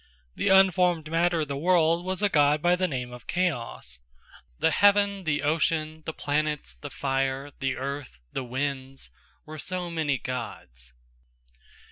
The unformed matter of the World, was a God, by the name of Chaos. The Heaven, the Ocean, the Planets, the Fire, the Earth, the Winds, were so many Gods.